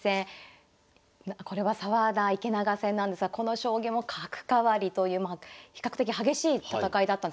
これは澤田・池永戦なんですがこの将棋も角換わりという比較的激しい戦いだった。